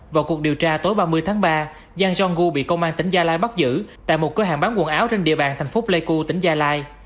vào cuộc điều tra tối ba mươi tháng ba giang rong gu bị công an tỉnh gia lai bắt giữ tại một cửa hàng bán quần áo trên địa bàn thành phố pleiku tỉnh gia lai